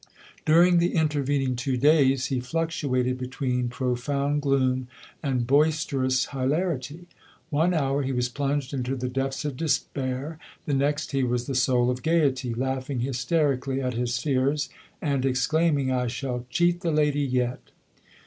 During the intervening two days he fluctuated between profound gloom and boisterous hilarity. One hour he was plunged into the depths of despair, the next he was the soul of gaiety, laughing hysterically at his fears, and exclaiming, "I shall cheat the lady yet!"